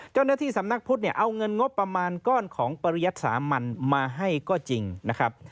เจ้าหน้าที่สำนักพุทธเนี่ยเอาเงินงบประมาณก้อนของปริยัติสามัญมาให้ก็จริงนะครับ